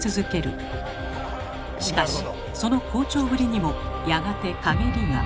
しかしその好調ぶりにもやがて陰りが。